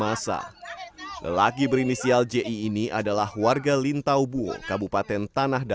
ada teman yang minta tolong cari anak orang ilang